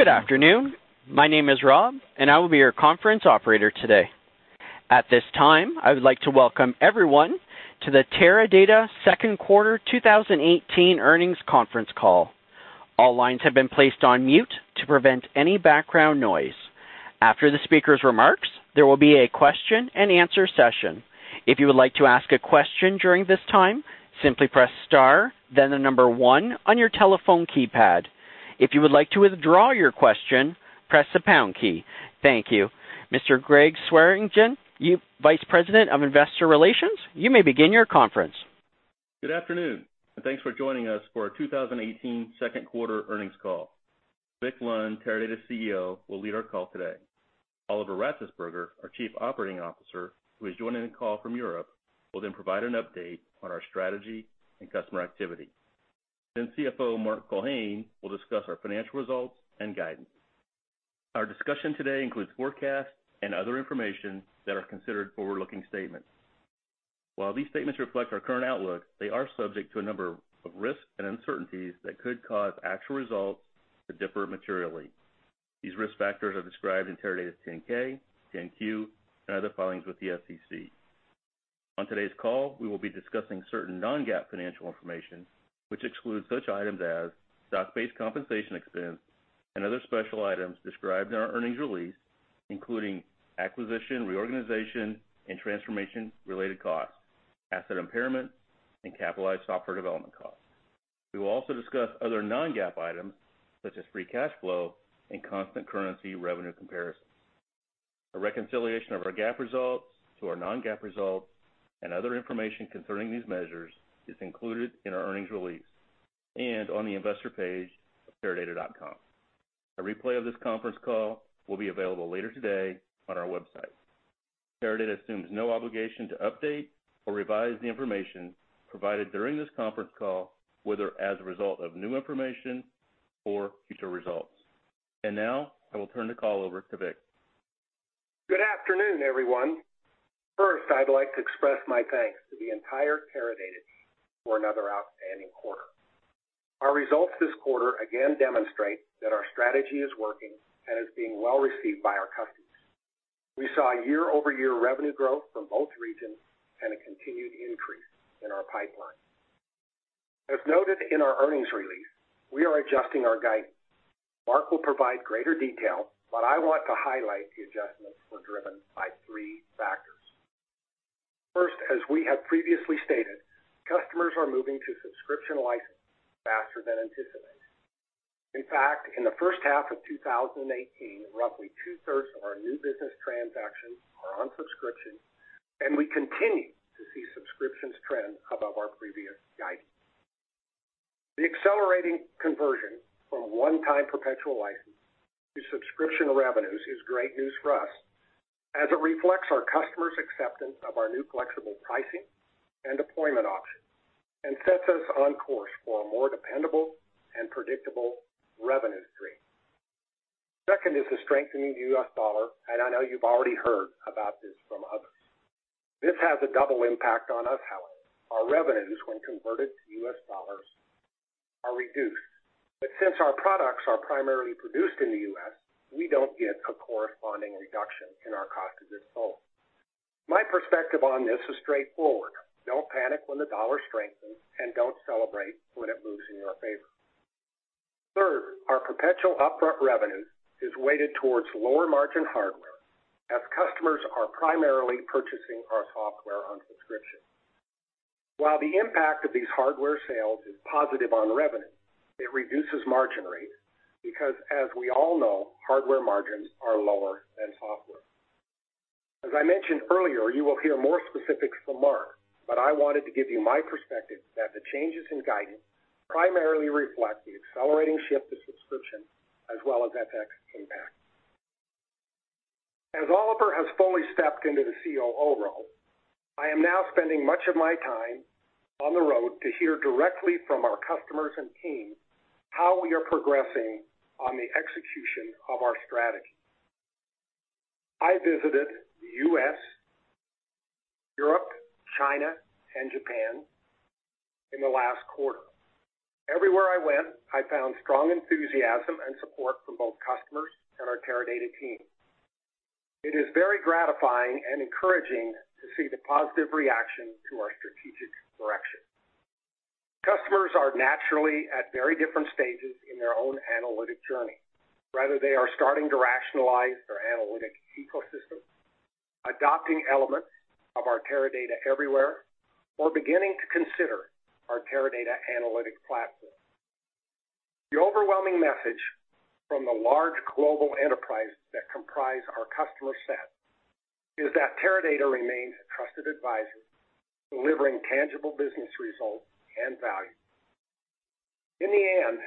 Good afternoon. My name is Rob, and I will be your conference operator today. At this time, I would like to welcome everyone to the Teradata Second Quarter 2018 Earnings Conference Call. All lines have been placed on mute to prevent any background noise. After the speaker's remarks, there will be a question and answer session. If you would like to ask a question during this time, simply press star then the number one on your telephone keypad. If you would like to withdraw your question, press the pound key. Thank you. Mr. Gregg Swearingen, Vice President of Investor Relations, you may begin your conference. Good afternoon, and thanks for joining us for our 2018 second quarter earnings call. Vic Lund, Teradata's CEO, will lead our call today. Oliver Ratzesberger, our Chief Operating Officer, who is joining the call from Europe, will provide an update on our strategy and customer activity. CFO Mark Culhane will discuss our financial results and guidance. Our discussion today includes forecasts and other information that are considered forward-looking statements. While these statements reflect our current outlook, they are subject to a number of risks and uncertainties that could cause actual results to differ materially. These risk factors are described in Teradata's 10-K, 10-Q, and other filings with the SEC. On today's call, we will be discussing certain non-GAAP financial information, which excludes such items as stock-based compensation expense and other special items described in our earnings release, including acquisition, reorganization, and transformation-related costs, asset impairment, and capitalized software development costs. We will also discuss other non-GAAP items such as free cash flow and constant currency revenue comparisons. A reconciliation of our GAAP results to our non-GAAP results and other information concerning these measures is included in our earnings release and on the investor page at teradata.com. A replay of this conference call will be available later today on our website. Teradata assumes no obligation to update or revise the information provided during this conference call, whether as a result of new information or future results. Now I will turn the call over to Vic. Good afternoon, everyone. First, I'd like to express my thanks to the entire Teradata team for another outstanding quarter. Our results this quarter again demonstrate that our strategy is working and is being well received by our customers. We saw year-over-year revenue growth from both regions and a continued increase in our pipeline. As noted in our earnings release, we are adjusting our guidance. Mark will provide greater detail, but I want to highlight the adjustments were driven by three factors. First, as we have previously stated, customers are moving to subscription licensing faster than anticipated. In fact, in the first half of 2018, roughly two-thirds of our new business transactions are on subscription, and we continue to see subscriptions trend above our previous guidance. The accelerating conversion from one-time perpetual license to subscription revenues is great news for us as it reflects our customers' acceptance of our new flexible pricing and deployment options and sets us on course for a more dependable and predictable revenue stream. Second is the strengthening US dollar, and I know you've already heard about this from others. This has a double impact on us, however. Our revenues, when converted to US dollars, are reduced. Since our products are primarily produced in the U.S., we don't get a corresponding reduction in our cost of goods sold. My perspective on this is straightforward. Don't panic when the dollar strengthens, and don't celebrate when it moves in your favor. Third, our perpetual upfront revenue is weighted towards lower margin hardware as customers are primarily purchasing our software on subscription. While the impact of these hardware sales is positive on revenue, it reduces margin rates because as we all know, hardware margins are lower than software. As I mentioned earlier, you will hear more specifics from Mark, but I wanted to give you my perspective that the changes in guidance primarily reflect the accelerating shift to subscription as well as FX impact. As Oliver has fully stepped into the COO role, I am now spending much of my time on the road to hear directly from our customers and team how we are progressing on the execution of our strategy. I visited the U.S., Europe, China, and Japan in the last quarter. Everywhere I went, I found strong enthusiasm and support from both customers and our Teradata team. It is very gratifying and encouraging to see the positive reaction to our strategic direction. Customers are naturally at very different stages in their own analytic journey, whether they are starting to rationalize their analytic ecosystem, adopting elements of our Teradata Everywhere, or beginning to consider our Teradata Analytics Platform. The overwhelming message from the large global enterprises that comprise our customer set is that Teradata remains a trusted advisor, delivering tangible business results and value. In the end,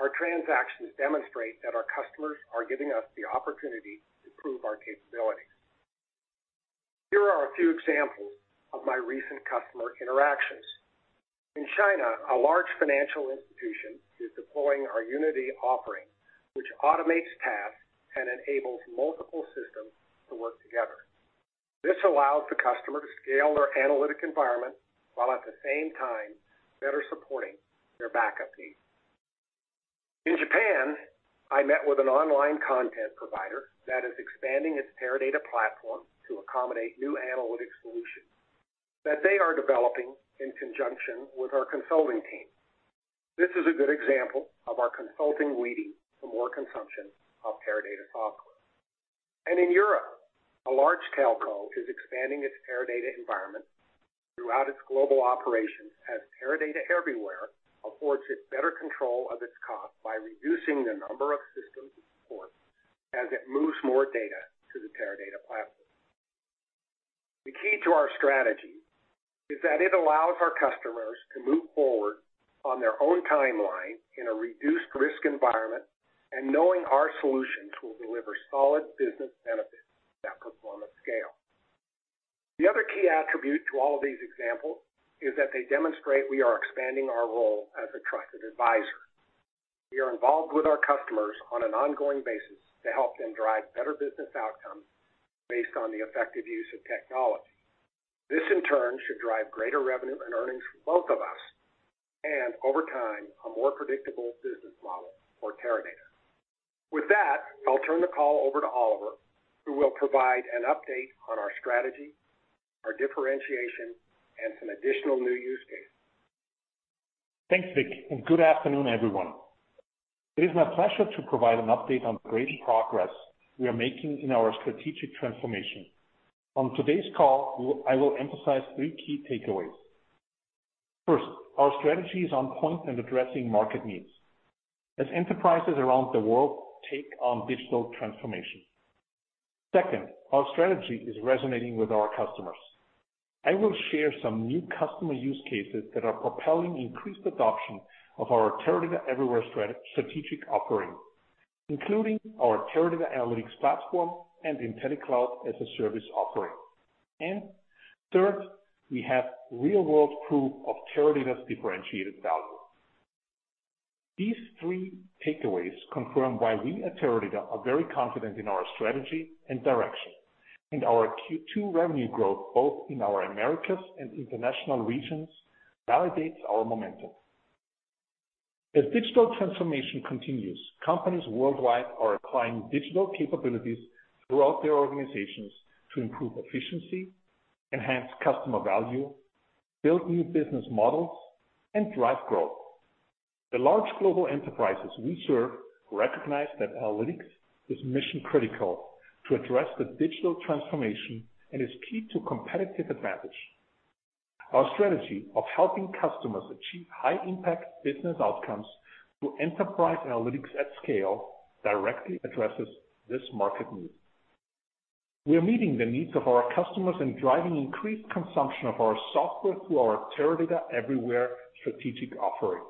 our transactions demonstrate that our customers are giving us the opportunity to prove our capabilities. Here are a few examples of my recent customer interactions. In China, a large financial institution is deploying our Unity offering, which automates tasks and enables multiple systems to work together. This allows the customer to scale their analytic environment while at the same time better supporting their backup needs. In Japan, I met with an online content provider that is expanding its Teradata platform to accommodate new analytics solutions that they are developing in conjunction with our consulting team. This is a good example of our consulting leading to more consumption of Teradata software. In Europe, a large telco is expanding its Teradata environment throughout its global operations as Teradata Everywhere affords it better control of its cost by reducing the number of systems it supports as it moves more data to the Teradata platform. The key to our strategy is that it allows our customers to move forward on their own timeline in a reduced-risk environment and knowing our solutions will deliver solid business benefits that perform at scale. The other key attribute to all of these examples is that they demonstrate we are expanding our role as a trusted advisor. We are involved with our customers on an ongoing basis to help them drive better business outcomes based on the effective use of technology. This, in turn, should drive greater revenue and earnings for both of us, and over time, a more predictable business model for Teradata. With that, I'll turn the call over to Oliver, who will provide an update on our strategy, our differentiation, and some additional new use cases. Thanks, Vic, and good afternoon, everyone. It is my pleasure to provide an update on the great progress we are making in our strategic transformation. On today's call, I will emphasize three key takeaways. First, our strategy is on point and addressing market needs as enterprises around the world take on digital transformation. Second, our strategy is resonating with our customers. I will share some new customer use cases that are propelling increased adoption of our Teradata Everywhere strategic offering, including our Teradata Analytics Platform and IntelliCloud as a service offering. Third, we have real-world proof of Teradata's differentiated value. These three takeaways confirm why we at Teradata are very confident in our strategy and direction, our Q2 revenue growth, both in our Americas and International regions, validates our momentum. As digital transformation continues, companies worldwide are applying digital capabilities throughout their organizations to improve efficiency, enhance customer value, build new business models, and drive growth. The large global enterprises we serve recognize that analytics is mission-critical to address the digital transformation and is key to competitive advantage. Our strategy of helping customers achieve high-impact business outcomes through enterprise analytics at scale directly addresses this market need. We are meeting the needs of our customers and driving increased consumption of our software through our Teradata Everywhere strategic offering.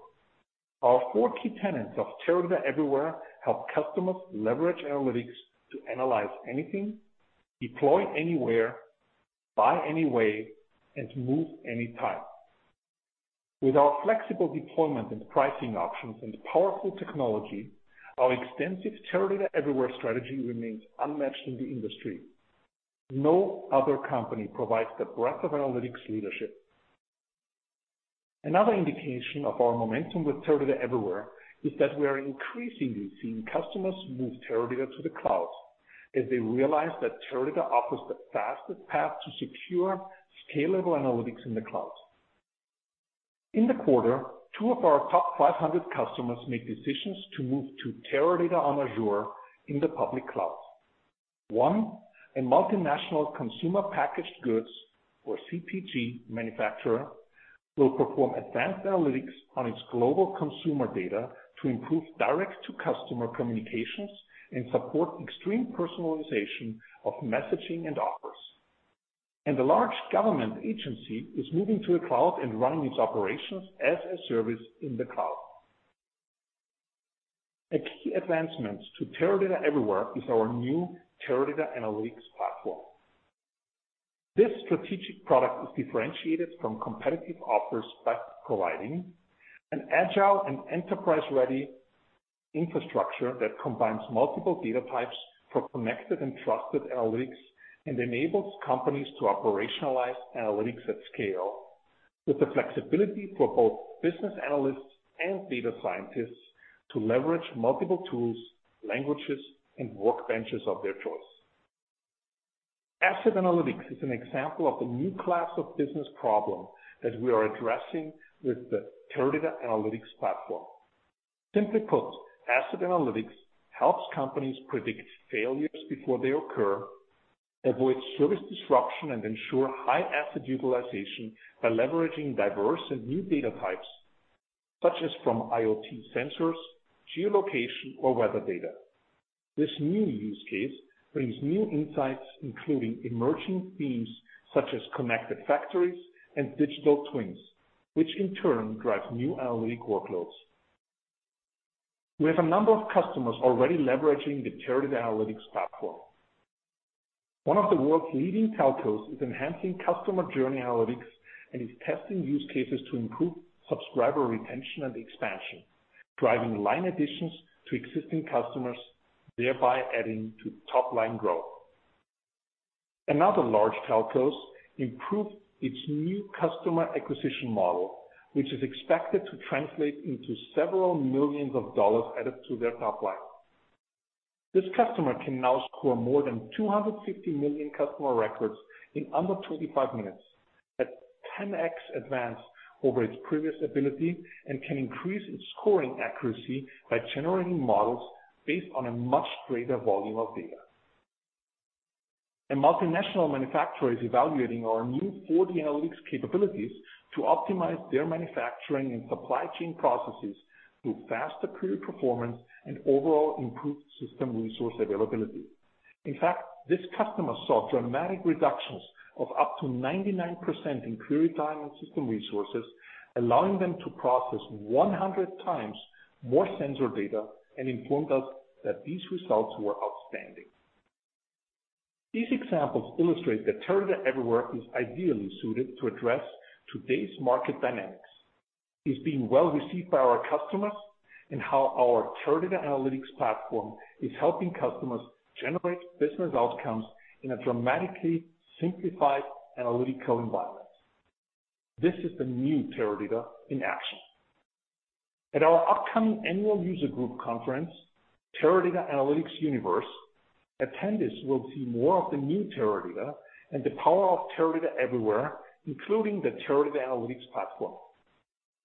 Our four key tenets of Teradata Everywhere help customers leverage analytics to analyze anything, deploy anywhere, buy any way, and move any time. With our flexible deployment and pricing options and powerful technology, our extensive Teradata Everywhere strategy remains unmatched in the industry. No other company provides the breadth of analytics leadership. Another indication of our momentum with Teradata Everywhere is that we are increasingly seeing customers move Teradata to the cloud as they realize that Teradata offers the fastest path to secure scalable analytics in the cloud. In the quarter, two of our top 500 customers made decisions to move to Teradata on Azure in the public cloud. One, a multinational consumer packaged goods, or CPG, manufacturer, will perform advanced analytics on its global consumer data to improve direct-to-customer communications and support extreme personalization of messaging and offers. A large government agency is moving to a cloud and running its operations as a service in the cloud. A key advancement to Teradata Everywhere is our new Teradata Analytics Platform. This strategic product is differentiated from competitive offers by providing an agile and enterprise-ready infrastructure that combines multiple data types for connected and trusted analytics and enables companies to operationalize analytics at scale with the flexibility for both business analysts and data scientists to leverage multiple tools, languages, and workbenches of their choice. Asset analytics is an example of the new class of business problem that we are addressing with the Teradata Analytics Platform. Simply put, asset analytics helps companies predict failures before they occur, avoid service disruption, and ensure high asset utilization by leveraging diverse and new data types, such as from IoT sensors, geolocation, or weather data. This new use case brings new insights, including emerging themes such as connected factories and digital twins, which in turn drives new analytic workloads. We have a number of customers already leveraging the Teradata Analytics Platform. One of the world's leading telcos is enhancing customer journey analytics and is testing use cases to improve subscriber retention and expansion Driving line additions to existing customers, thereby adding to top-line growth. Another large telcos improved its new customer acquisition model, which is expected to translate into several millions of dollars added to their top line. This customer can now score more than 250 million customer records in under 25 minutes, at 10x advance over its previous ability, and can increase its scoring accuracy by generating models based on a much greater volume of data. A multinational manufacturer is evaluating our new 4D Analytics capabilities to optimize their manufacturing and supply chain processes through faster query performance and overall improved system resource availability. In fact, this customer saw dramatic reductions of up to 99% in query time and system resources, allowing them to process 100 times more sensor data, and informed us that these results were outstanding. These examples illustrate that Teradata Everywhere is ideally suited to address today's market dynamics. It's being well-received by our customers in how our Teradata Analytics Platform is helping customers generate business outcomes in a dramatically simplified analytical environment. This is the new Teradata in action. At our upcoming annual user group conference, Teradata Analytics Universe, attendees will see more of the new Teradata and the power of Teradata Everywhere, including the Teradata Analytics Platform.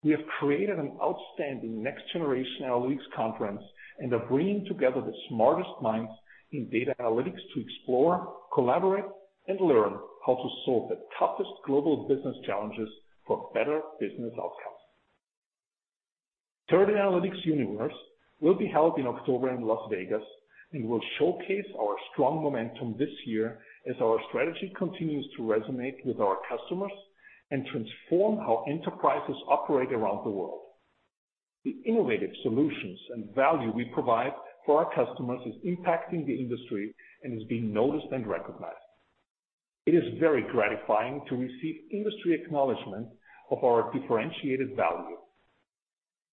We have created an outstanding next-generation analytics conference and are bringing together the smartest minds in data analytics to explore, collaborate, and learn how to solve the toughest global business challenges for better business outcomes. Teradata Analytics Universe will be held in October in Las Vegas and will showcase our strong momentum this year as our strategy continues to resonate with our customers and transform how enterprises operate around the world. The innovative solutions and value we provide for our customers is impacting the industry and is being noticed and recognized. It is very gratifying to receive industry acknowledgment of our differentiated value.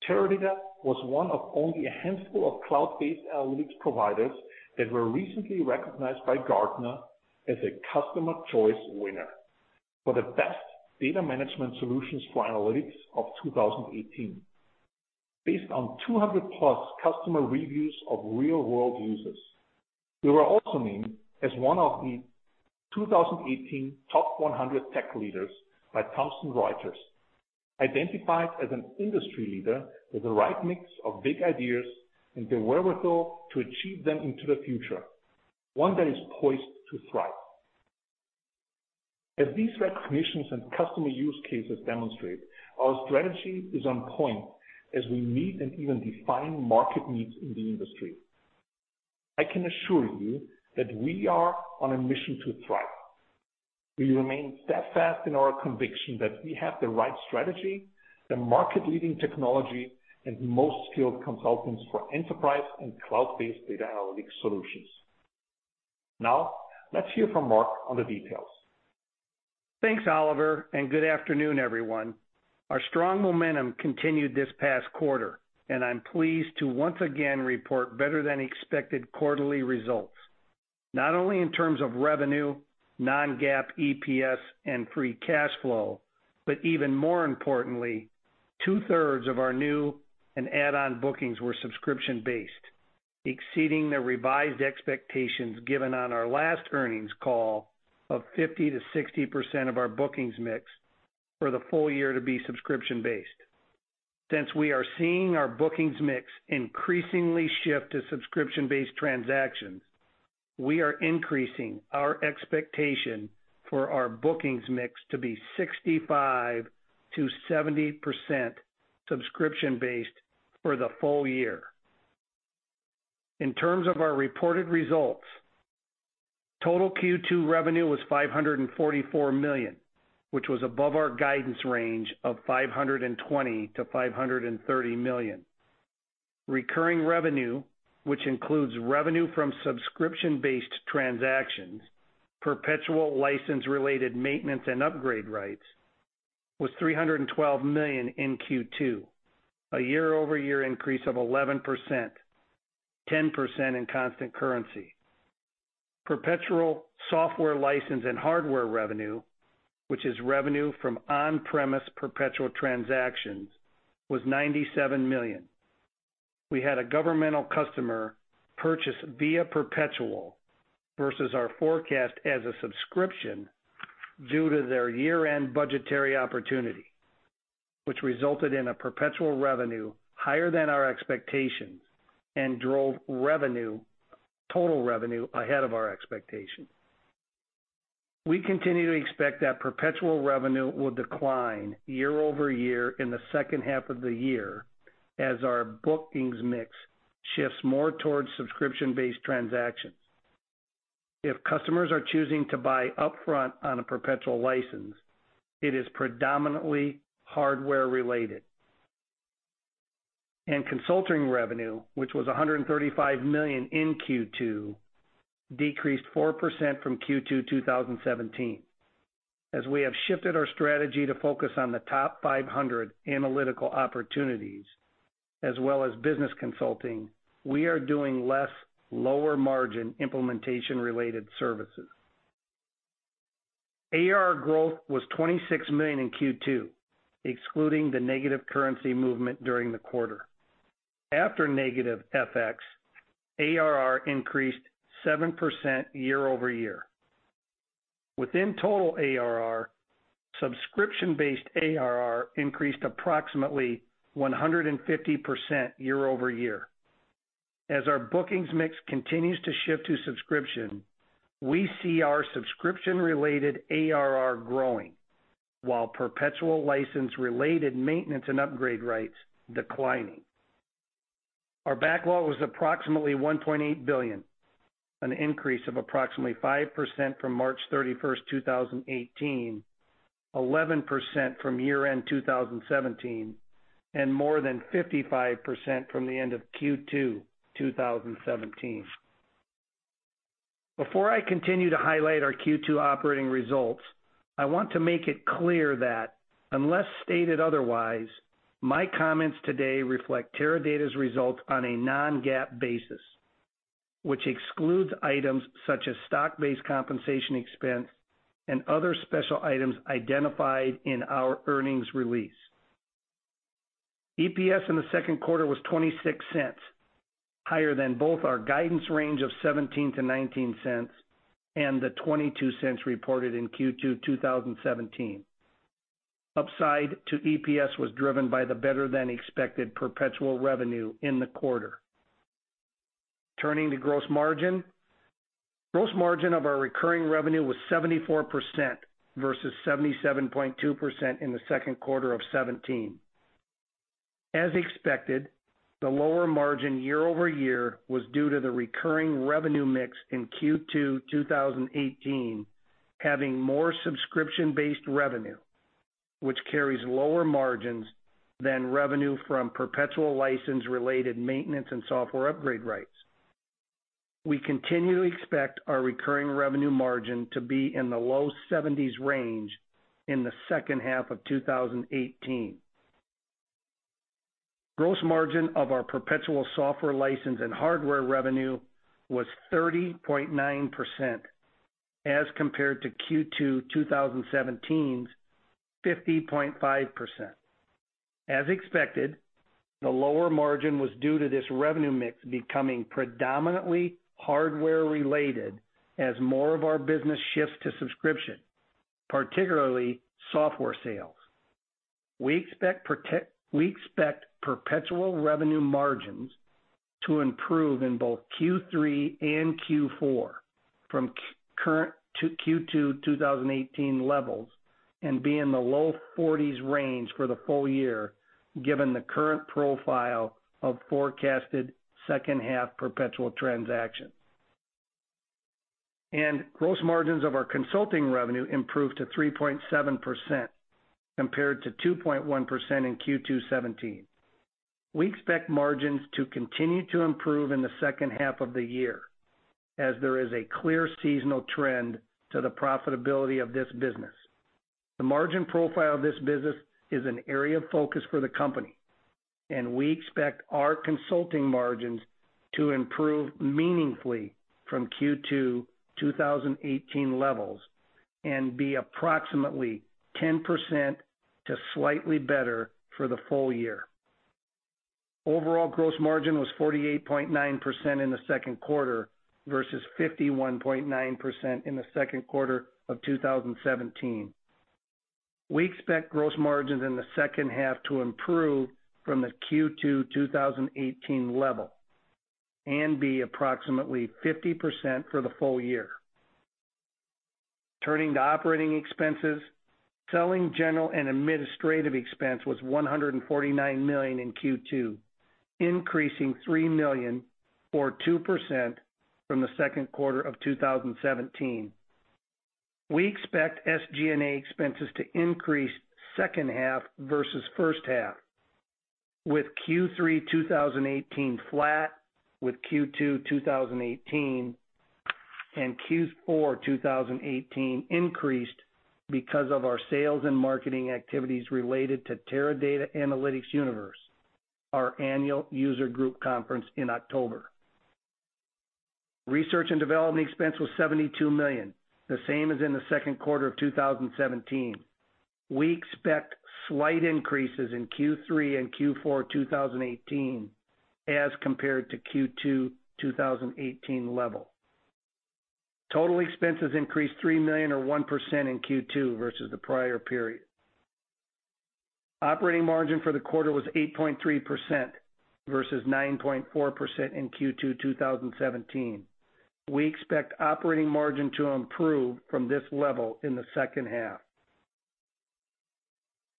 Teradata was one of only a handful of cloud-based analytics providers that were recently recognized by Gartner as a Customer Choice winner for the best data management solutions for analytics of 2018, based on 200-plus customer reviews of real-world users. We were also named as one of the 2018 top 100 tech leaders by Thomson Reuters, identified as an industry leader with the right mix of big ideas and the wherewithal to achieve them into the future, one that is poised to thrive. As these recognitions and customer use cases demonstrate, our strategy is on point as we meet and even define market needs in the industry. I can assure you that we are on a mission to thrive. We remain steadfast in our conviction that we have the right strategy, the market-leading technology, and most skilled consultants for enterprise and cloud-based data analytics solutions. Let's hear from Mark on the details. Thanks, Oliver, and good afternoon, everyone. Our strong momentum continued this past quarter. I'm pleased to once again report better than expected quarterly results, not only in terms of revenue, non-GAAP EPS, and free cash flow, but even more importantly, two-thirds of our new and add-on bookings were subscription-based, exceeding the revised expectations given on our last earnings call of 50%-60% of our bookings mix for the full year to be subscription-based. We are seeing our bookings mix increasingly shift to subscription-based transactions, we are increasing our expectation for our bookings mix to be 65%-70% subscription-based for the full year. In terms of our reported results, total Q2 revenue was $544 million, which was above our guidance range of $520 million-$530 million. Recurring revenue, which includes revenue from subscription-based transactions, perpetual license-related maintenance, and upgrade rights, was $312 million in Q2, a year-over-year increase of 11%, 10% in constant currency. Perpetual software license and hardware revenue, which is revenue from on-premise perpetual transactions, was $97 million. We had a governmental customer purchase via perpetual versus our forecast as a subscription due to their year-end budgetary opportunity, which resulted in a perpetual revenue higher than our expectations and drove total revenue ahead of our expectations. We continue to expect that perpetual revenue will decline year-over-year in the second half of the year as our bookings mix shifts more towards subscription-based transactions. If customers are choosing to buy upfront on a perpetual license, it is predominantly hardware-related. Consulting revenue, which was $135 million in Q2, decreased 4% from Q2 2017. We have shifted our strategy to focus on the top 500 analytical opportunities as well as business consulting, we are doing less lower margin implementation related services. ARR growth was $26 million in Q2, excluding the negative currency movement during the quarter. After negative FX, ARR increased 7% year-over-year. Within total ARR, subscription-based ARR increased approximately 150% year-over-year. Our bookings mix continues to shift to subscription, we see our subscription related ARR growing while perpetual license related maintenance and upgrade rates declining. Our backlog was approximately $1.8 billion, an increase of approximately 5% from March 31, 2018, 11% from year-end 2017, and more than 55% from the end of Q2 2017. Before I continue to highlight our Q2 operating results, I want to make it clear that unless stated otherwise, my comments today reflect Teradata's results on a non-GAAP basis, which excludes items such as stock-based compensation expense and other special items identified in our earnings release. EPS in the second quarter was $0.26, higher than both our guidance range of $0.17-$0.19 and the $0.22 reported in Q2 2017. Upside to EPS was driven by the better than expected perpetual revenue in the quarter. Turning to gross margin. Gross margin of our recurring revenue was 74% versus 77.2% in the second quarter of 2017. As expected, the lower margin year-over-year was due to the recurring revenue mix in Q2 2018 having more subscription-based revenue, which carries lower margins than revenue from perpetual license-related maintenance and software upgrade rights. We continue to expect our recurring revenue margin to be in the low 70s range in the second half of 2018. Gross margin of our perpetual software license and hardware revenue was 30.9% as compared to Q2 2017's 50.5%. As expected, the lower margin was due to this revenue mix becoming predominantly hardware-related as more of our business shifts to subscription, particularly software sales. We expect perpetual revenue margins to improve in both Q3 and Q4 from current Q2 2018 levels and be in the low 40s range for the full year, given the current profile of forecasted second half perpetual transactions. Gross margins of our consulting revenue improved to 3.7%, compared to 2.1% in Q2 2017. We expect margins to continue to improve in the second half of the year as there is a clear seasonal trend to the profitability of this business. The margin profile of this business is an area of focus for the company. We expect our consulting margins to improve meaningfully from Q2 2018 levels and be approximately 10% to slightly better for the full year. Overall gross margin was 48.9% in the second quarter versus 51.9% in the second quarter of 2017. We expect gross margins in the second half to improve from the Q2 2018 level and be approximately 50% for the full year. Turning to operating expenses. Selling, general and administrative expense was $149 million in Q2, increasing $3 million or 2% from the second quarter of 2017. We expect SG&A expenses to increase second half versus first half, with Q3 2018 flat with Q2 2018, and Q4 2018 increased because of our sales and marketing activities related to Teradata Analytics Universe, our annual user group conference in October. Research and development expense was $72 million, the same as in the second quarter of 2017. We expect slight increases in Q3 and Q4 2018 as compared to Q2 2018 level. Total expenses increased $3 million or 1% in Q2 versus the prior period. Operating margin for the quarter was 8.3% versus 9.4% in Q2 2017. We expect operating margin to improve from this level in the second half.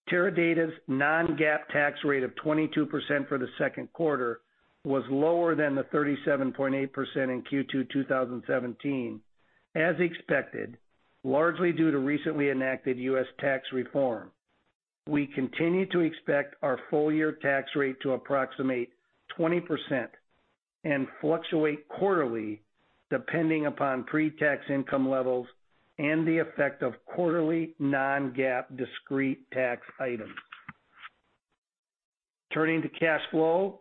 Teradata's non-GAAP tax rate of 22% for the second quarter was lower than the 37.8% in Q2 2017, as expected, largely due to recently enacted U.S. tax reform. We continue to expect our full-year tax rate to approximate 20% and fluctuate quarterly depending upon pre-tax income levels and the effect of quarterly non-GAAP discrete tax items. Turning to cash flow.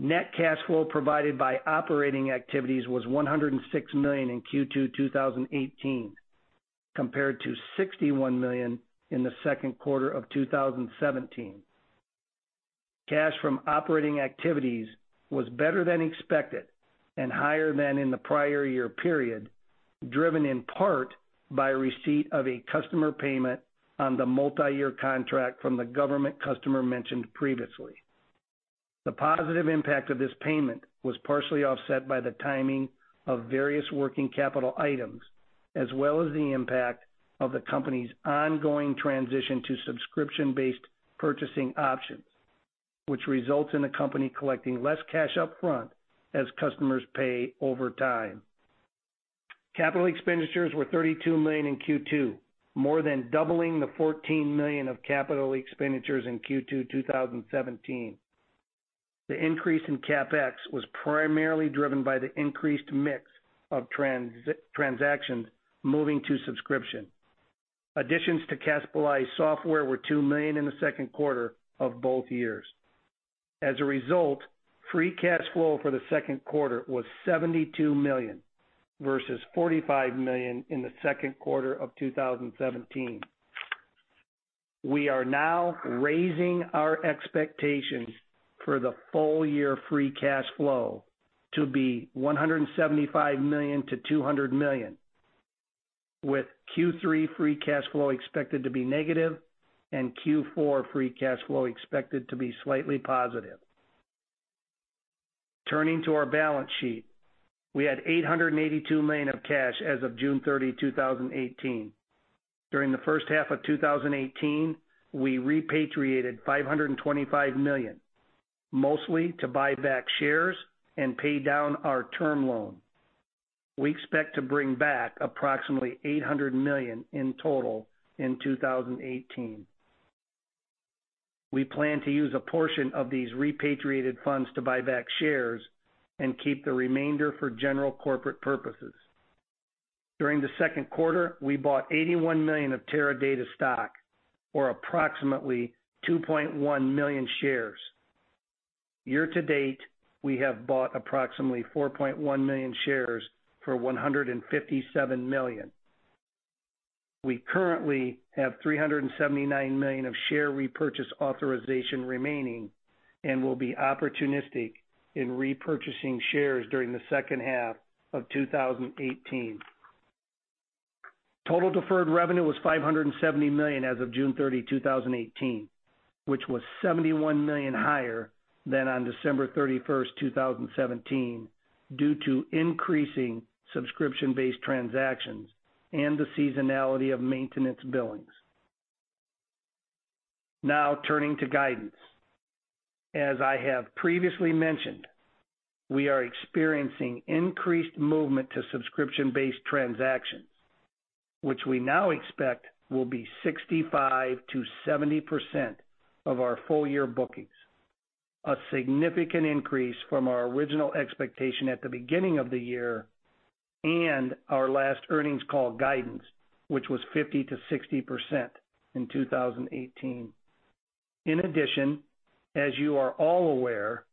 Net cash flow provided by operating activities was $106 million in Q2 2018, compared to $61 million in the second quarter of 2017. Cash from operating activities was better than expected and higher than in the prior year period, driven in part by receipt of a customer payment on the multi-year contract from the government customer mentioned previously. The positive impact of this payment was partially offset by the timing of various working capital items, as well as the impact of the company's ongoing transition to subscription-based purchasing options, which results in the company collecting less cash up front as customers pay over time. Capital expenditures were $32 million in Q2, more than doubling the $14 million of capital expenditures in Q2 2017. The increase in CapEx was primarily driven by the increased mix of transactions moving to subscription. Additions to capitalized software were $2 million in the second quarter of both years. As a result, free cash flow for the second quarter was $72 million, versus $45 million in the second quarter of 2017. We are now raising our expectations for the full-year free cash flow to be $175 million-$200 million, with Q3 free cash flow expected to be negative and Q4 free cash flow expected to be slightly positive. Turning to our balance sheet. We had $882 million of cash as of June 30, 2018. During the first half of 2018, we repatriated $525 million, mostly to buy back shares and pay down our term loan. We expect to bring back approximately $800 million in total in 2018. We plan to use a portion of these repatriated funds to buy back shares and keep the remainder for general corporate purposes. During the second quarter, we bought $81 million of Teradata stock, or approximately 2.1 million shares. Year to date, we have bought approximately 4.1 million shares for $157 million. We currently have $379 million of share repurchase authorization remaining and will be opportunistic in repurchasing shares during the second half of 2018. Total deferred revenue was $570 million as of June 30, 2018, which was $71 million higher than on December 31, 2017, due to increasing subscription-based transactions and the seasonality of maintenance billings. Turning to guidance. As I have previously mentioned, we are experiencing increased movement to subscription-based transactions, which we now expect will be 65%-70% of our full-year bookings, a significant increase from our original expectation at the beginning of the year and our last earnings call guidance, which was 50%-60% in 2018. In addition, as you are all aware,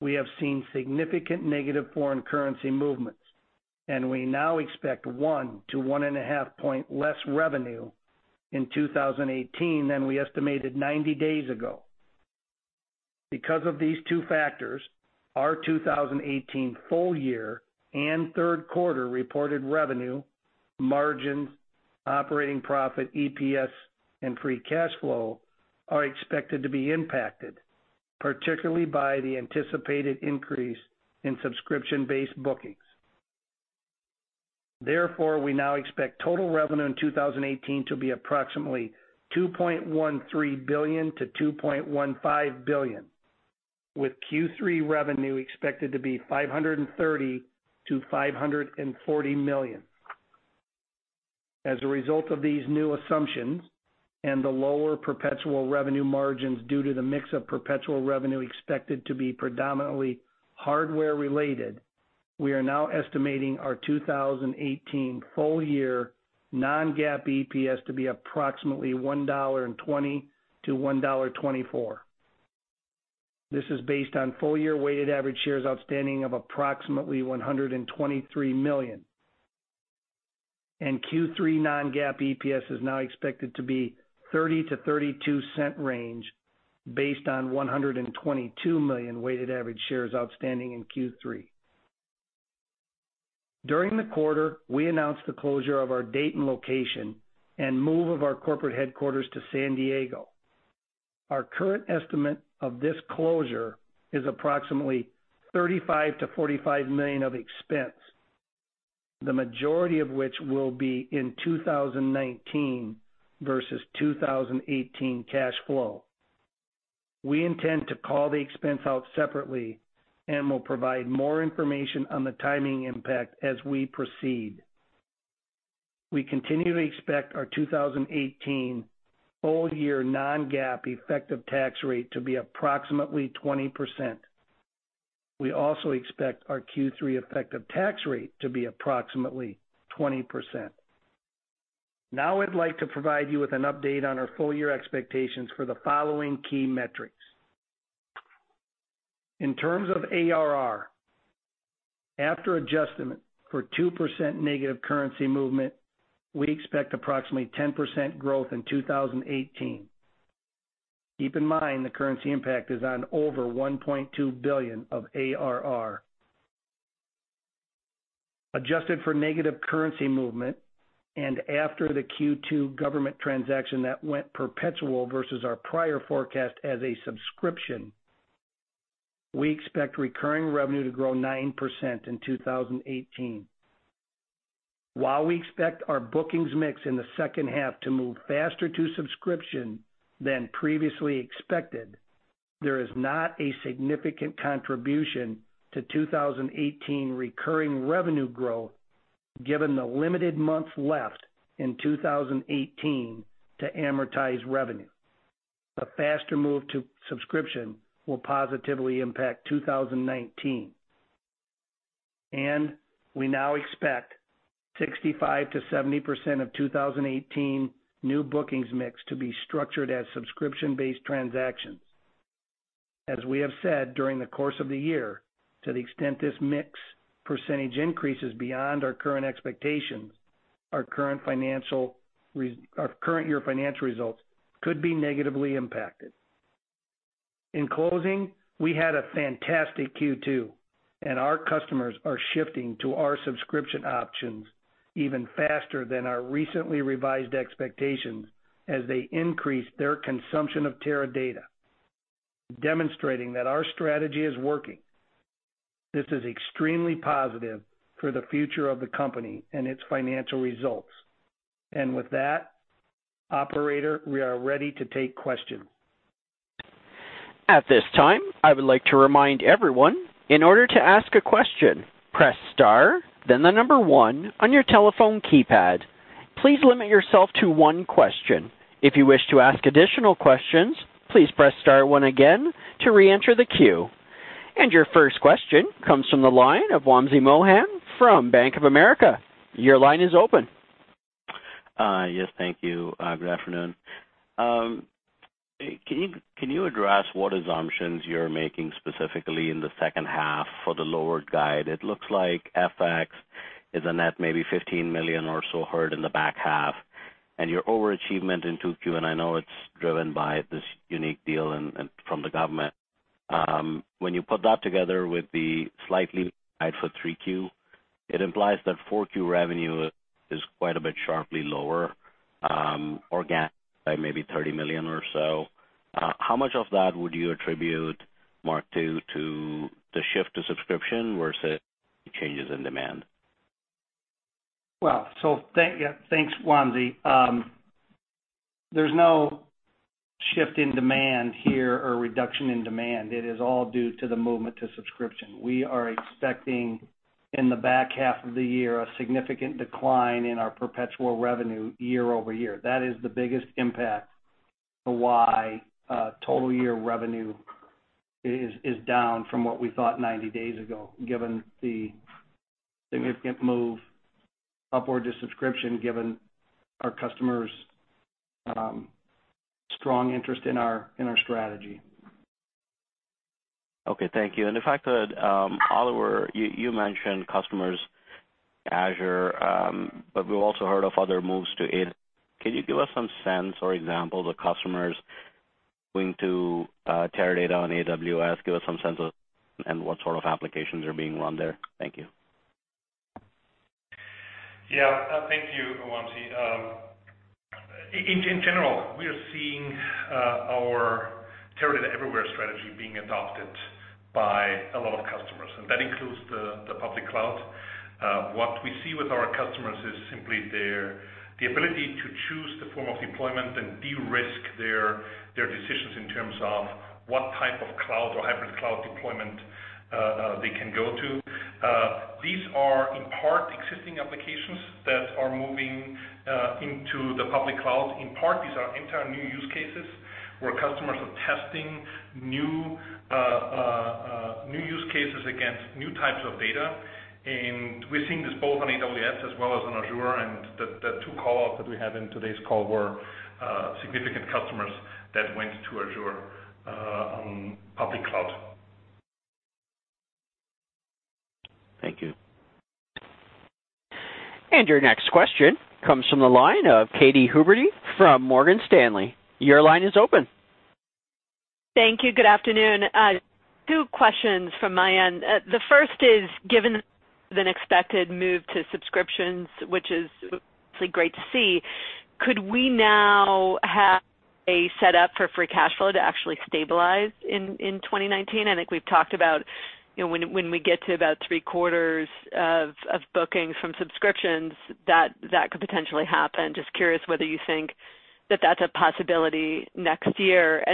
we have seen significant negative foreign currency movements, and we now expect 1 to 1.5 point less revenue in 2018 than we estimated 90 days ago. Because of these two factors, our 2018 full year and third quarter reported revenue, margins, operating profit, EPS, and free cash flow are expected to be impacted, particularly by the anticipated increase in subscription-based bookings. Therefore, we now expect total revenue in 2018 to be approximately $2.13 billion-$2.15 billion, with Q3 revenue expected to be $530 million-$540 million. As a result of these new assumptions and the lower perpetual revenue margins due to the mix of perpetual revenue expected to be predominantly hardware-related, we are now estimating our 2018 full year non-GAAP EPS to be approximately $1.20-$1.24. This is based on full year weighted average shares outstanding of approximately 123 million. Q3 non-GAAP EPS is now expected to be $0.30-$0.32 range based on 122 million weighted average shares outstanding in Q3. During the quarter, we announced the closure of our Dayton location and move of our corporate headquarters to San Diego. Our current estimate of this closure is approximately $35 million-$45 million of expense, the majority of which will be in 2019 versus 2018 cash flow. We intend to call the expense out separately and will provide more information on the timing impact as we proceed. We continue to expect our 2018 full year non-GAAP effective tax rate to be approximately 20%. We also expect our Q3 effective tax rate to be approximately 20%. I'd like to provide you with an update on our full year expectations for the following key metrics. In terms of ARR, after adjustment for 2% negative currency movement, we expect approximately 10% growth in 2018. Keep in mind the currency impact is on over $1.2 billion of ARR. Adjusted for negative currency movement and after the Q2 government transaction that went perpetual versus our prior forecast as a subscription, we expect recurring revenue to grow 9% in 2018. While we expect our bookings mix in the second half to move faster to subscription than previously expected, there is not a significant contribution to 2018 recurring revenue growth given the limited months left in 2018 to amortize revenue. A faster move to subscription will positively impact 2019. We now expect 65%-70% of 2018 new bookings mix to be structured as subscription-based transactions. As we have said during the course of the year, to the extent this mix percentage increases beyond our current expectations, our current year financial results could be negatively impacted. In closing, we had a fantastic Q2, and our customers are shifting to our subscription options even faster than our recently revised expectations as they increase their consumption of Teradata, demonstrating that our strategy is working. This is extremely positive for the future of the company and its financial results. With that, operator, we are ready to take questions. At this time, I would like to remind everyone, in order to ask a question, press star, then the number 1 on your telephone keypad. Please limit yourself to 1 question. If you wish to ask additional questions, please press star 1 again to reenter the queue. Your first question comes from the line of Wamsi Mohan from Bank of America. Your line is open. Yes, thank you. Good afternoon. Can you address what assumptions you're making specifically in the second half for the lower guide? It looks like FX is a net maybe $15 million or so heard in the back half, your overachievement in Q2, and I know it's driven by this unique deal from the government. When you put that together with the slightly guide for Q3, it implies that Q4 revenue is quite a bit sharply lower, organic by maybe $30 million or so. How much of that would you attribute, Mark, to the shift to subscription versus changes in demand? Thanks, Wamsi. There's no shift in demand here or reduction in demand. It is all due to the movement to subscription. We are expecting, in the back half of the year, a significant decline in our perpetual revenue year-over-year. That is the biggest impact to why total year revenue is down from what we thought 90 days ago, given the significant move upward to subscription, given our customers' strong interest in our strategy. Okay. Thank you. The fact that, Oliver, you mentioned customers, Azure, but we've also heard of other moves to it. Can you give us some sense or examples of customers going to Teradata on AWS? Give us some sense of what sort of applications are being run there. Thank you. Thank you, Wamsi. In general, we are seeing our Teradata Everywhere strategy being adopted by a lot of customers, that includes the public cloud. What we see with our customers is simply the ability to choose the form of deployment and de-risk their decisions in terms of what type of cloud or hybrid cloud deployment they can go to. These are in part existing applications that are moving into the public cloud. These are entire new use cases where customers are testing new use cases against new types of data, we're seeing this both on AWS as well as on Azure, the two call-outs that we had in today's call were significant customers that went to Azure on public cloud. Thank you. Your next question comes from the line of Katy Huberty from Morgan Stanley. Your line is open. Thank you. Good afternoon. Two questions from my end. The first is, given the expected move to subscriptions, which is obviously great to see, could we now have a set up for free cash flow to actually stabilize in 2019? I think we've talked about when we get to about three-quarters of bookings from subscriptions, that could potentially happen. Just curious whether you think that that's a possibility next year.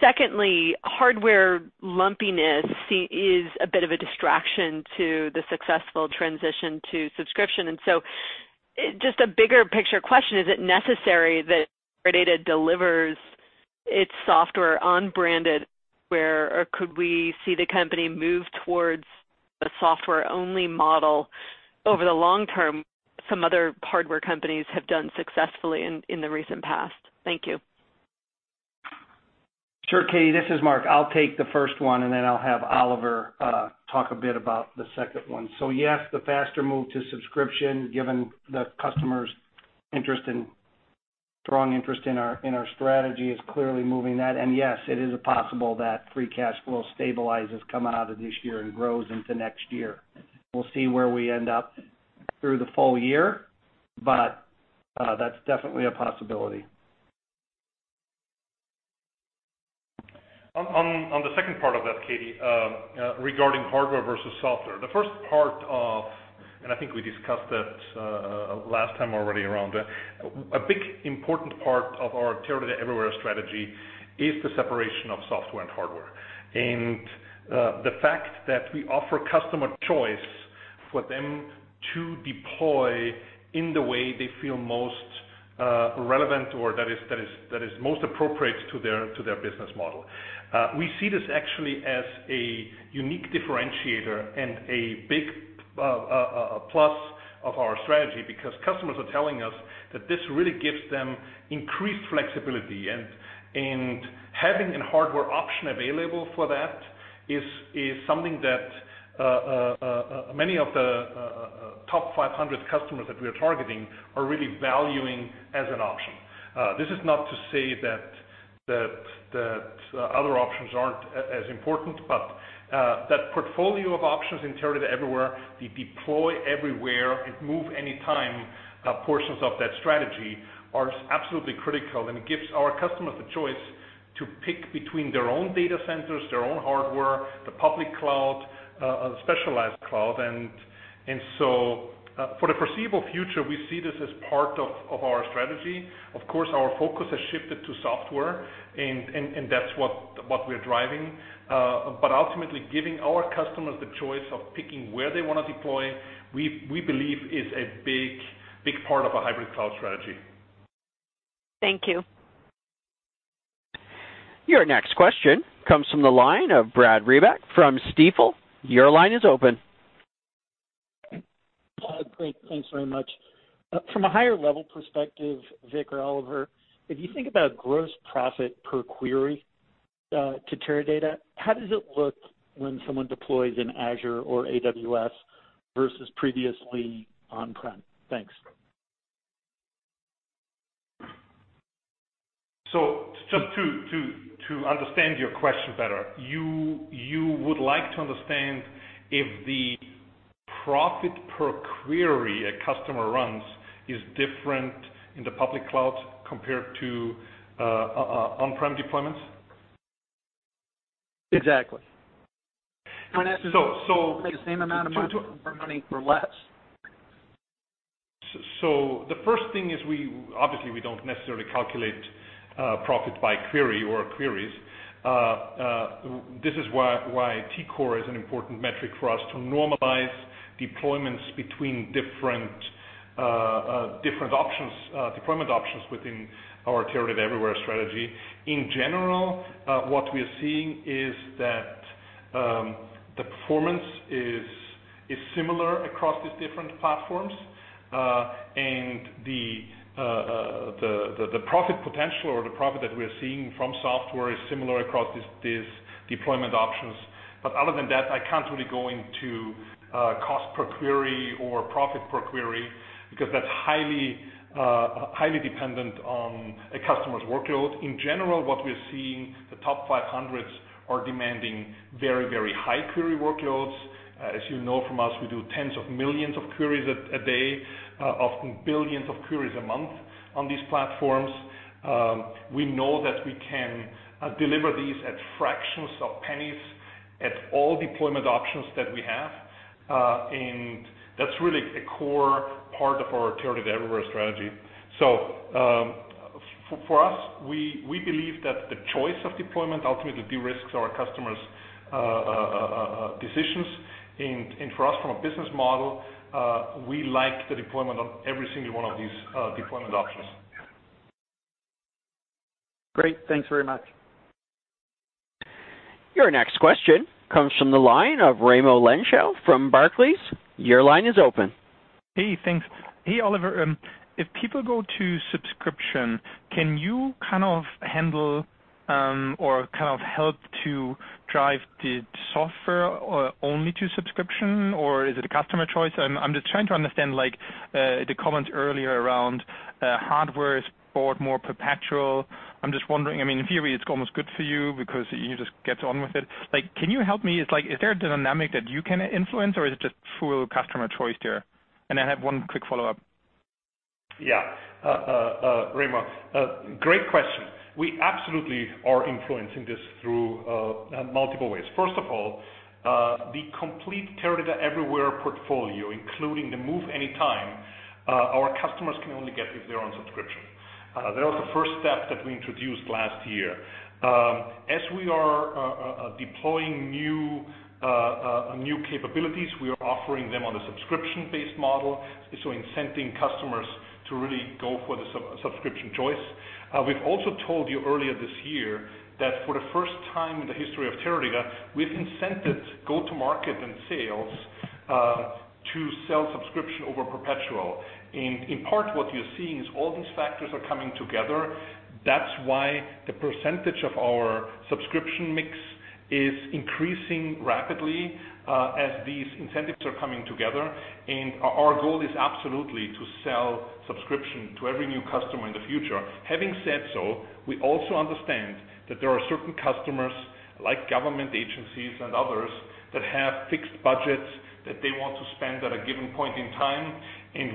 Secondly, hardware lumpiness is a bit of a distraction to the successful transition to subscription. Just a bigger picture question, is it necessary that Teradata delivers its software on branded, where could we see the company move towards a software-only model over the long-term some other hardware companies have done successfully in the recent past? Thank you. Sure, Katy, this is Mark. I'll take the first one, and then I'll have Oliver talk a bit about the second one. Yes, the faster move to subscription, given the customer's strong interest in our strategy, is clearly moving that. Yes, it is possible that free cash flow stabilizes coming out of this year and grows into next year. We'll see where we end up through the full year, but that's definitely a possibility. On the second part of that, Katy, regarding hardware versus software. The first part of, I think we discussed that last time already around, a big important part of our Teradata Everywhere strategy is the separation of software and hardware. The fact that we offer customer choice for them to deploy in the way they feel most relevant or that is most appropriate to their business model. We see this actually as a unique differentiator and a big plus of our strategy, because customers are telling us that this really gives them increased flexibility, and having a hardware option available for that is something that many of the top 500 customers that we are targeting are really valuing as an option. This is not to say that other options aren't as important, but that portfolio of options in Teradata Everywhere, the deploy everywhere and move anytime portions of that strategy are absolutely critical, and it gives our customers the choice to pick between their own data centers, their own hardware, the public cloud, specialized cloud. For the foreseeable future, we see this as part of our strategy. Of course, our focus has shifted to software, and that's what we're driving. Ultimately, giving our customers the choice of picking where they want to deploy, we believe is a big part of a hybrid cloud strategy. Thank you. Your next question comes from the line of Brad Reback from Stifel. Your line is open. Great. Thanks very much. From a higher level perspective, Vic or Oliver, if you think about gross profit per query to Teradata, how does it look when someone deploys in Azure or AWS versus previously on-prem? Thanks. Just to understand your question better, you would like to understand if the profit per query a customer runs is different in the public cloud compared to on-prem deployments? Exactly. So- Make the same amount of money for less. The first thing is, obviously, we don't necessarily calculate profit by query or queries. This is why TCore is an important metric for us to normalize deployments between different deployment options within our Teradata Everywhere strategy. In general, what we are seeing is that the performance is similar across these different platforms. The profit potential or the profit that we are seeing from software is similar across these deployment options. Other than that, I can't really go into cost per query or profit per query, because that's highly dependent on a customer's workload. In general, what we're seeing, the top 500s are demanding very high query workloads. As you know from us, we do tens of millions of queries a day, often billions of queries a month on these platforms. We know that we can deliver these at fractions of pennies at all deployment options that we have. That's really a core part of our Teradata Everywhere strategy. For us, we believe that the choice of deployment ultimately de-risks our customers' decisions. For us, from a business model, we like the deployment of every single one of these deployment options. Great. Thanks very much. Your next question comes from the line of Raimo Lenschow from Barclays. Your line is open. Hey, thanks. Hey, Oliver. If people go to subscription, can you handle or help to drive the software only to subscription, or is it a customer choice? I'm just trying to understand the comment earlier around hardware is bought more perpetual. I'm just wondering, in theory, it's almost good for you because you just get on with it. Can you help me? Is there a dynamic that you can influence or is it just full customer choice there? I have one quick follow-up. Yeah. Raimo, great question. We absolutely are influencing this through multiple ways. First of all, the complete Teradata Everywhere portfolio, including the move anytime, our customers can only get if they're on subscription. That was the first step that we introduced last year. As we are deploying new capabilities, we are offering them on a subscription-based model, so incenting customers to really go for the subscription choice. We've also told you earlier this year that for the first time in the history of Teradata, we've incented go-to-market and sales to sell subscription over perpetual. In part, what you're seeing is all these factors are coming together. That's why the % of our subscription mix is increasing rapidly as these incentives are coming together, and our goal is absolutely to sell subscription to every new customer in the future. Having said so, we also understand that there are certain customers, like government agencies and others, that have fixed budgets that they want to spend at a given point in time.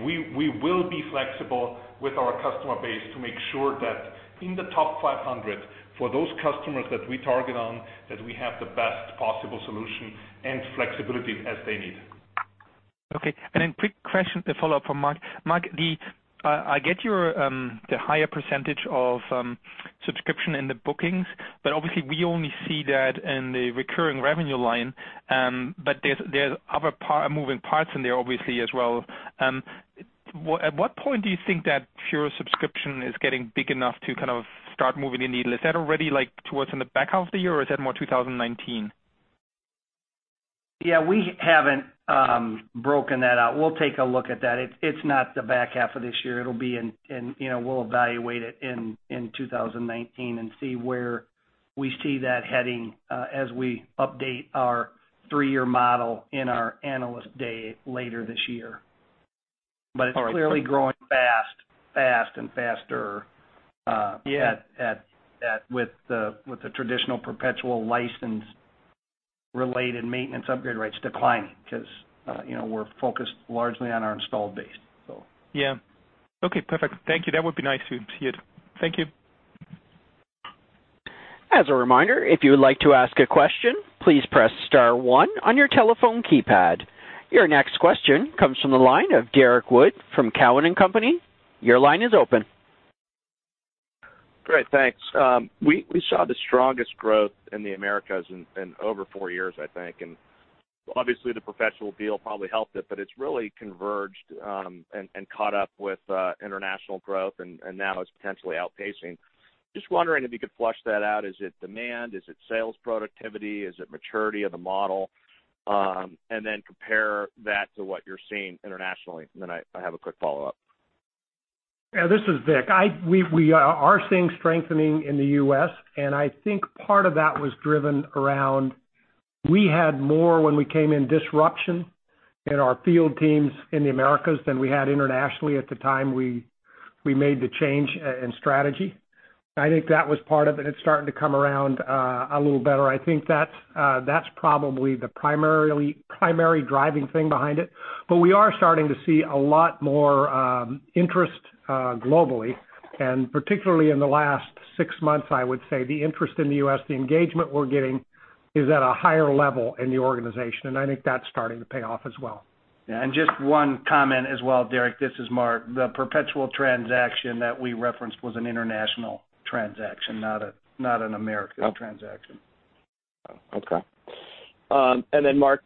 We will be flexible with our customer base to make sure that in the top 500, for those customers that we target on, that we have the best possible solution and flexibility as they need. Okay. Then quick question, a follow-up for Mark. Mark, I get the higher % of subscription in the bookings, obviously, we only see that in the recurring revenue line. There's other moving parts in there obviously as well. At what point do you think that pure subscription is getting big enough to kind of start moving the needle? Is that already towards in the back half of the year, or is that more 2019? Yeah, we haven't broken that out. We'll take a look at that. It's not the back half of this year. We'll evaluate it in 2019 and see where we see that heading as we update our three-year model in our Analyst Day later this year. All right. It's clearly growing fast, fast, and faster with the traditional perpetual license-related maintenance upgrade rates declining because we're focused largely on our installed base. Yeah. Okay, perfect. Thank you. That would be nice to see it. Thank you. As a reminder, if you would like to ask a question, please press *1 on your telephone keypad. Your next question comes from the line of Derrick Wood from Cowen and Company. Your line is open. Great, thanks. We saw the strongest growth in the Americas in over four years, I think, and obviously the perpetual deal probably helped it, but it's really converged and caught up with international growth, and now it's potentially outpacing. Wondering if you could flush that out. Is it demand? Is it sales productivity? Is it maturity of the model? Compare that to what you're seeing internationally. I have a quick follow-up. Yeah, this is Vic. We are seeing strengthening in the U.S. I think part of that was driven around, we had more when we came in disruption in our field teams in the Americas than we had internationally at the time we made the change in strategy. I think that was part of it. It's starting to come around a little better. I think that's probably the primary driving thing behind it. We are starting to see a lot more interest globally, particularly in the last six months, I would say, the interest in the U.S., the engagement we're getting is at a higher level in the organization. I think that's starting to pay off as well. Just one comment as well, Derrick. This is Mark. The perpetual transaction that we referenced was an international transaction, not an American transaction. Okay. Mark,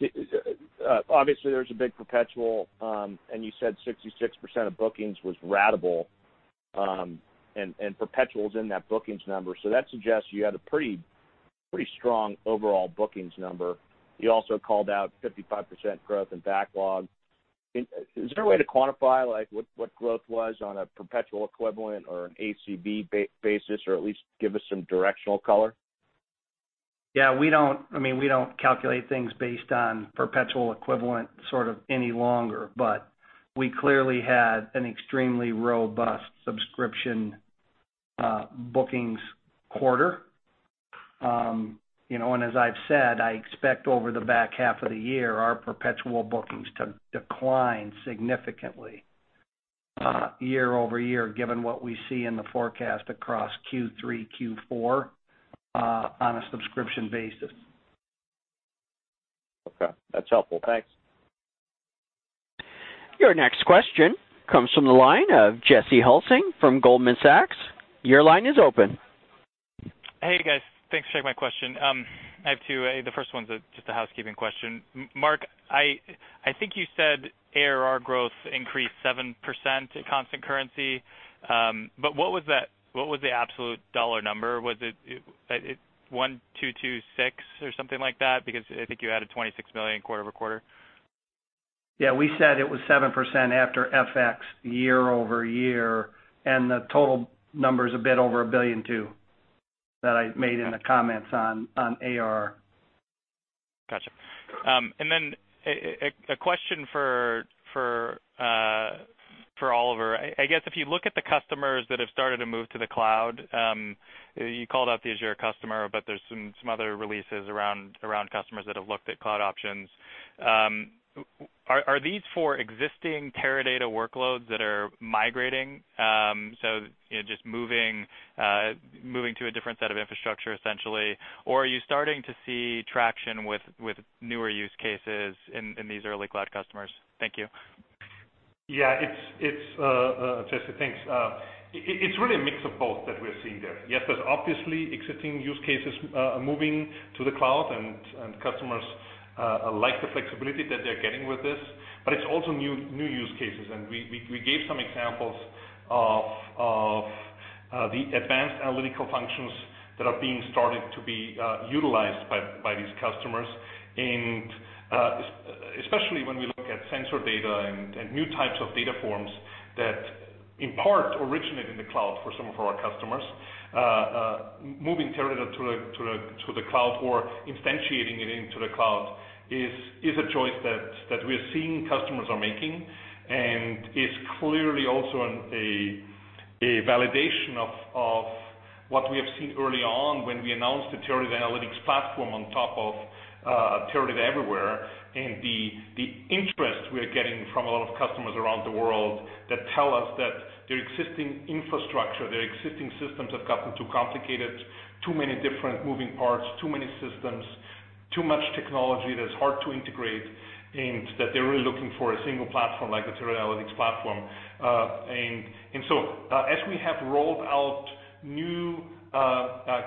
obviously there's a big perpetual. You said 66% of bookings was ratable. Perpetual is in that bookings number. That suggests you had a pretty strong overall bookings number. You also called out 55% growth in backlog. Is there a way to quantify what growth was on a perpetual equivalent or an ACV basis, or at least give us some directional color? We don't calculate things based on perpetual equivalent any longer. We clearly had an extremely robust subscription bookings quarter. As I've said, I expect over the back half of the year, our perpetual bookings to decline significantly year-over-year, given what we see in the forecast across Q3, Q4 on a subscription basis. Okay. That's helpful. Thanks. Your next question comes from the line of Jesse Hulsing from Goldman Sachs. Your line is open. Hey, guys. Thanks for taking my question. I have two. The first one's just a housekeeping question. Mark, I think you said ARR growth increased 7% at constant currency. What was the absolute dollar number? Was it $1,226 or something like that? I think you added $26 million quarter-over-quarter. Yeah, we said it was 7% after FX year-over-year, and the total number is a bit over $1.2 billion that I made in the comments on ARR. Got you. A question for Oliver. I guess if you look at the customers that have started to move to the cloud, you called out the Azure customer, but there's some other releases around customers that have looked at cloud options. Are these for existing Teradata workloads that are migrating, so just moving to a different set of infrastructure essentially? Or are you starting to see traction with newer use cases in these early cloud customers? Thank you. Yeah, Jesse, thanks. It's really a mix of both that we're seeing there. Yes, there's obviously existing use cases moving to the cloud, and customers like the flexibility that they're getting with this, but it's also new use cases. We gave some examples of the advanced analytical functions that are being started to be utilized by these customers, and especially when we look at sensor data and new types of data forms that in part originate in the cloud for some of our customers. Moving Teradata to the cloud or instantiating it into the cloud is a choice that we're seeing customers are making. It's clearly also a validation of what we have seen early on when we announced the Teradata Analytics Platform on top of Teradata Everywhere, and the interest we are getting from a lot of customers around the world that tell us that their existing infrastructure, their existing systems have gotten too complicated, too many different moving parts, too many systems, too much technology that's hard to integrate, and that they're really looking for a single platform like the Teradata Analytics Platform. As we have rolled out new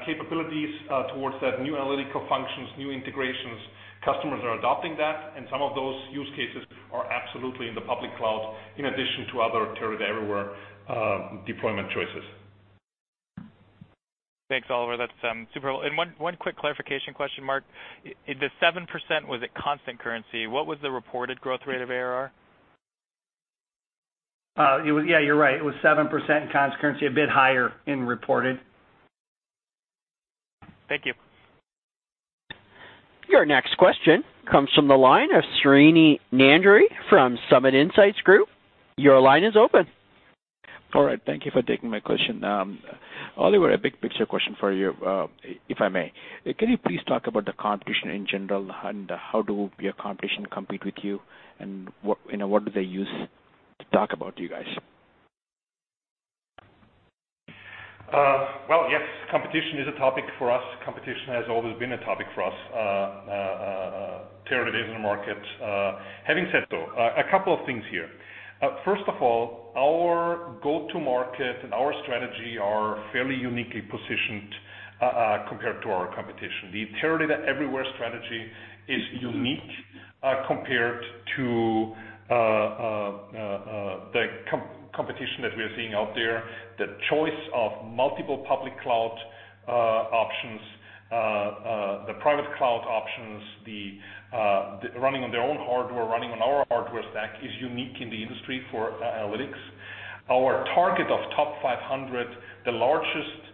capabilities towards that, new analytical functions, new integrations, customers are adopting that, and some of those use cases are absolutely in the public cloud in addition to other Teradata Everywhere deployment choices. Thanks, Oliver, that's super. One quick clarification question, Mark. The 7%, was it constant currency? What was the reported growth rate of ARR? Yeah, you're right. It was 7% in constant currency, a bit higher in reported. Thank you. Your next question comes from the line of Srini Nandury from Summit Insights Group. Your line is open. All right. Thank you for taking my question. Oliver, a big picture question for you, if I may. Can you please talk about the competition in general? How do your competition compete with you, and what do they use to talk about you guys? Well, yes, competition is a topic for us. Competition has always been a topic for us. Teradata is in the market. Having said so, a couple of things here. First of all, our go-to market and our strategy are fairly uniquely positioned compared to our competition. The Teradata Everywhere strategy is unique compared to the competition that we are seeing out there. The choice of multiple public cloud options, the private cloud options, the running on their own hardware, running on our hardware stack is unique in the industry for analytics. Our target of top 500, the largest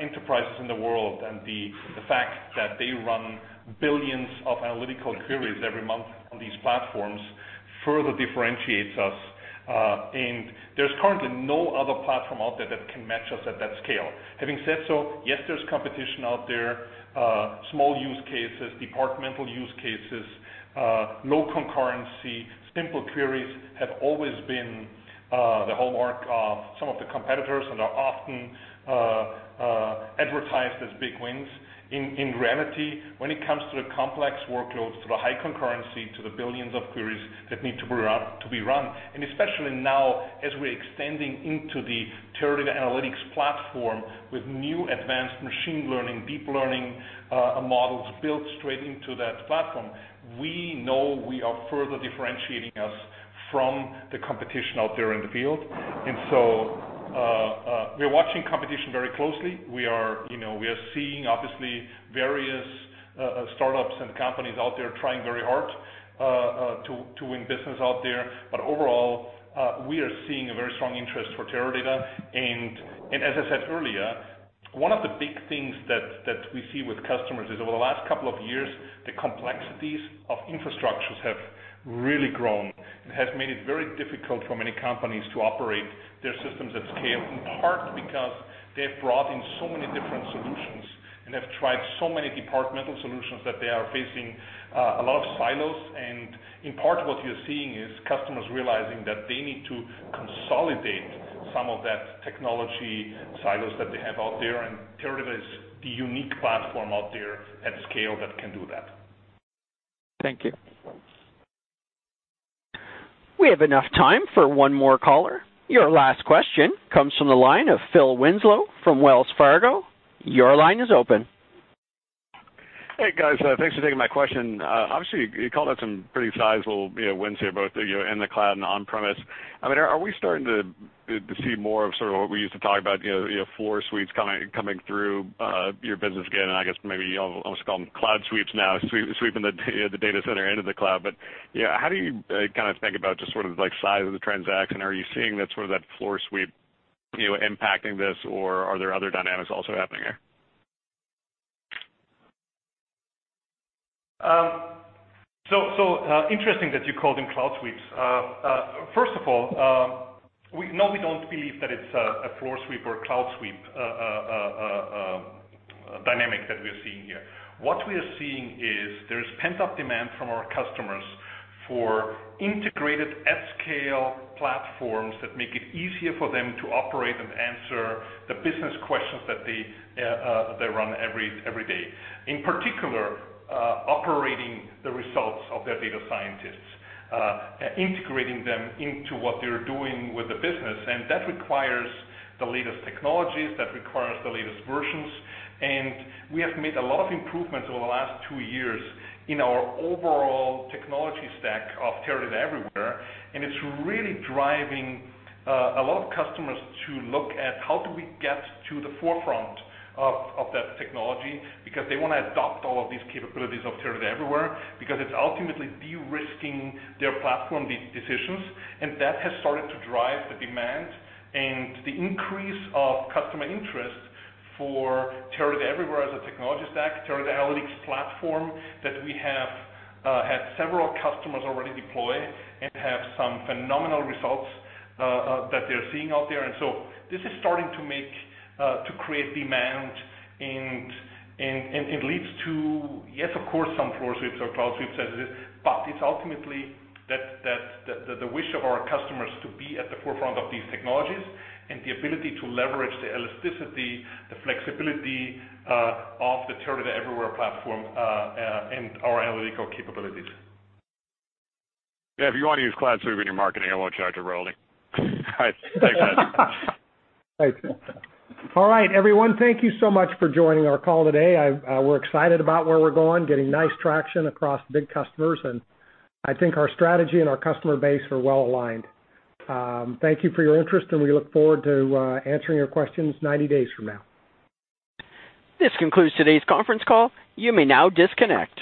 enterprises in the world, and the fact that they run billions of analytical queries every month on these platforms further differentiates us. There's currently no other platform out there that can match us at that scale. Having said so, yes, there's competition out there. Small use cases, departmental use cases, no concurrency, simple queries have always been the hallmark of some of the competitors and are often advertised as big wins. In reality, when it comes to the complex workloads, to the high concurrency, to the billions of queries that need to be run, especially now as we're extending into the Teradata Analytics Platform with new advanced machine learning, deep learning models built straight into that platform, we know we are further differentiating us from the competition out there in the field. We're watching competition very closely. We are seeing, obviously, various startups and companies out there trying very hard to win business out there. Overall, we are seeing a very strong interest for Teradata. As I said earlier, one of the big things that we see with customers is over the last couple of years, the complexities of infrastructures have really grown and have made it very difficult for many companies to operate their systems at scale, in part because they've brought in so many different solutions and have tried so many departmental solutions that they are facing a lot of silos. In part, what you're seeing is customers realizing that they need to consolidate some of that technology silos that they have out there, and Teradata is the unique platform out there at scale that can do that. Thank you. We have enough time for one more caller. Your last question comes from the line of Phil Winslow from Wells Fargo. Your line is open. Hey, guys. Thanks for taking my question. Obviously, you called out some pretty sizable wins here, both in the cloud and on-premise. Are we starting to see more of sort of what we used to talk about, floor sweeps coming through your business again? I guess maybe you almost call them cloud sweeps now, sweeping the data center into the cloud. Yeah, how do you think about just sort of size of the transaction? Are you seeing that sort of that floor sweep impacting this, or are there other dynamics also happening here? Interesting that you called them cloud sweeps. First of all, no, we don't believe that it's a floor sweep or a cloud sweep dynamic that we're seeing here. What we are seeing is there's pent-up demand from our customers for integrated at-scale platforms that make it easier for them to operate and answer the business questions that they run every day. In particular, operating the results of their data scientists, integrating them into what they're doing with the business. That requires the latest technologies, that requires the latest versions. We have made a lot of improvements over the last two years in our overall technology stack of Teradata Everywhere, and it's really driving a lot of customers to look at how do we get to the forefront of that technology because they want to adopt all of these capabilities of Teradata Everywhere because it's ultimately de-risking their platform decisions. That has started to drive the demand and the increase of customer interest for Teradata Everywhere as a technology stack, Teradata Analytics Platform that we have had several customers already deploy and have some phenomenal results that they're seeing out there. This is starting to create demand, and it leads to, yes, of course, some floor sweeps or cloud sweeps as it is, but it's ultimately the wish of our customers to be at the forefront of these technologies and the ability to leverage the elasticity, the flexibility of the Teradata Everywhere platform, and our analytical capabilities. Yeah, if you want to use cloud sweep in your marketing, I won't charge you royalty. Thanks, guys. Thanks. All right, everyone. Thank you so much for joining our call today. We're excited about where we're going, getting nice traction across big customers, and I think our strategy and our customer base are well-aligned. Thank you for your interest, and we look forward to answering your questions 90 days from now. This concludes today's conference call. You may now disconnect.